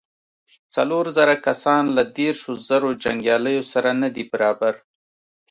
څلور زره کسان له دېرشو زرو جنګياليو سره نه دې برابر.